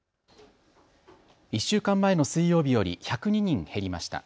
１週間前の水曜日より１０２人減りました。